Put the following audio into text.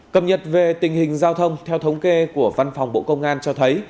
cập nhật về tình hình giao thông theo thống kê của văn phòng bộ công an cho thấy